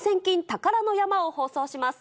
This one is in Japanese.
宝の山を放送します。